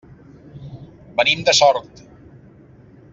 Venim de Sort.